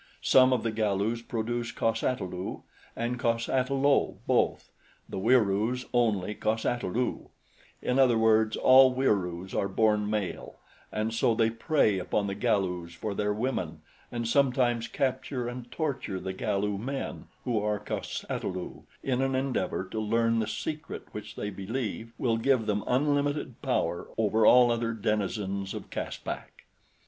Some of the Galus produce cos ata lu and cos ata lo both; the Wieroos only cos ata lu in other words all Wieroos are born male, and so they prey upon the Galus for their women and sometimes capture and torture the Galu men who are cos ata lu in an endeavor to learn the secret which they believe will give them unlimited power over all other denizens of Caspak.